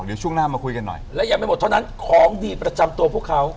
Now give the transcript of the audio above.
เดี๋ยวช่วงหน้ามาคุยกันหน่อยและยังไม่หมดเท่านั้นของดีประจำตัวพวกเขา